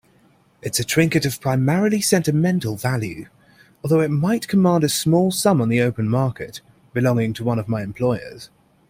It's a trinket of primarily sentimental value, although it might command a small sum on the open market, belonging to one of my employers.